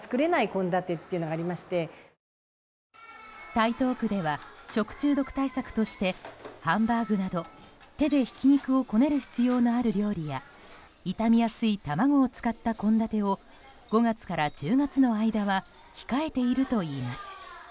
台東区では、食中毒対策としてハンバーグなど手でひき肉をこねる必要のある料理や傷みやすい卵を使った献立を５月から１０月の間は控えているといいます。